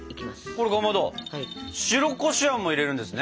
これかまど白こしあんも入れるんですね。